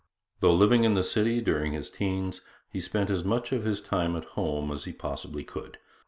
Though living in the city during his teens, he spent as much of his time at home as he possibly could.